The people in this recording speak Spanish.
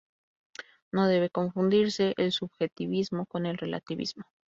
No debe confundirse el subjetivismo con el relativismo.